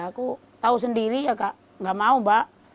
aku tahu sendiri nggak mau mbak